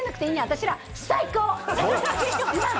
私ら最高！